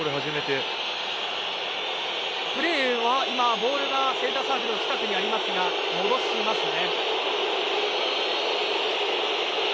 ボールがセンターサークルの近くにありますが戻しますね。